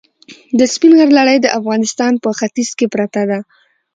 د سپین غر لړۍ د افغانستان په ختیځ کې پرته ده.